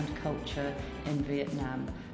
nghệ thuật quốc gia việt nam